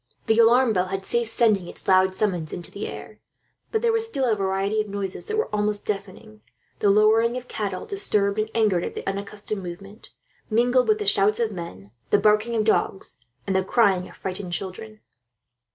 The alarm bell had ceased sending its loud summons into the air; but there was still a variety of noises that were almost deafening: the lowing of cattle, disturbed and angered at the unaccustomed movement; mingled with the shouts of men, the barking of dogs, and the crying of frightened children.